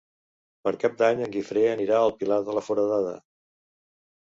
Per Cap d'Any en Guifré anirà al Pilar de la Foradada.